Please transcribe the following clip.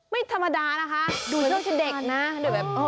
ไม่ธรรมดานะคะดูไม่ใช่เด็กนะ